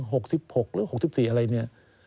๖๖หรือ๖๔อะไรเนี่ย